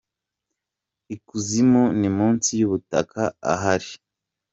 I kuzimu ni munsi y’ubutaka – ahari!.